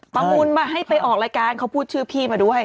ประมูลมาให้ไปออกรายการเขาพูดชื่อพี่มาด้วย